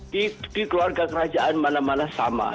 di keluarga kerajaan mana mana sama